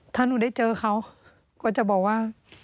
ถ้าหนูได้เจอเขาก็จะบอกว่า